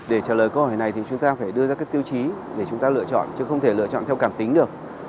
để trả lời câu hỏi này thì chúng ta phải đưa ra các tiêu chí để chúng ta lựa chọn chứ không thể lựa chọn theo cảm tính được